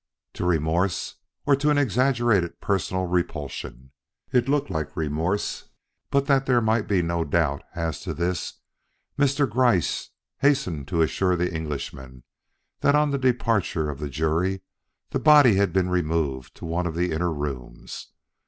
To remorse or to an exaggerated personal repulsion? It looked like remorse, but that there might be no doubt as to this, Mr. Gryce hastened to assure the Englishman that on the departure of the jury the body had been removed to one of the inner rooms.